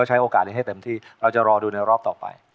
ใช้โอกาสนี้ให้เต็มที่เราจะรอดูในรอบต่อไป